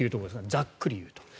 ざっくり言うと。